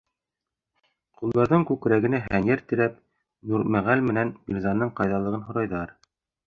Ҡолдарҙың күкрәгенә хәнйәр терәп, Нурмәғәл менән Мирзаның ҡайҙалығын һорайҙар.